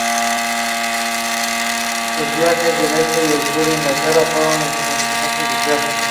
Vivieron su infancia y adolescencia en el puerto de Recanati.